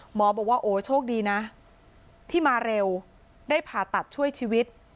หมอบอกว่าโอ้โชคดีนะที่มาเร็วได้ผ่าตัดช่วยชีวิต